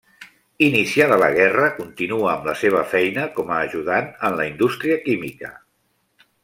Iniciada la guerra continua amb la seva feina com a ajudant en la indústria química.